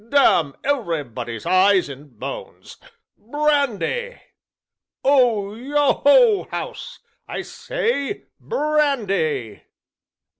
damn everybody's eyes and bones brandy! O yoho, house I say brandy!